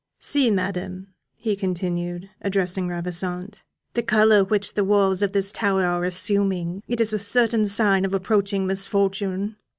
See, Madam," he continued, addressing Ravissante, "the colour which the walls of this tower are assuming it is a certain sign of approaching misfortune!"